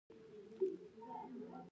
تاریخ د خپلې ځمکې زمکړه ده.